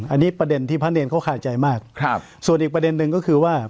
อันนี้ประเด็นที่พระเนรเขาคายใจมากครับส่วนอีกประเด็นหนึ่งก็คือว่า